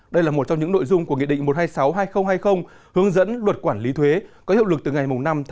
đây là một trong những nội dung của nghị định một trăm hai mươi sáu hai nghìn hai mươi hướng dẫn luật quản lý thuế có hiệu lực từ ngày năm tháng hai